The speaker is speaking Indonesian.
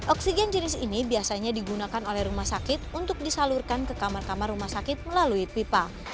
oksigen jenis ini biasanya digunakan oleh rumah sakit untuk disalurkan ke kamar kamar rumah sakit melalui pipa